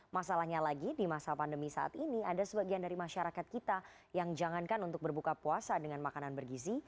masalahnya lagi di masa pandemi saat ini ada sebagian dari masyarakat kita yang jangankan untuk berbuka puasa dengan makanan bergizi